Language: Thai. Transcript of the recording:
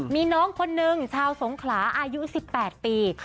มีน้องคนนึงชาวสงขลาอายุ๑๘ปี